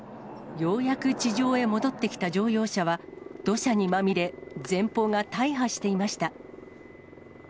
ようやく地上へ戻ってきた乗用車は、土砂にまみれ、前方が大破していました。